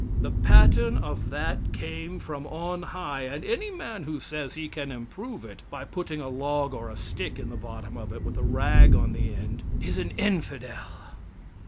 The pattern of that came from on high, and any man who says he can improve it, by putting a log or a stick in the bottom of it, with a rag on the end, is an infidel."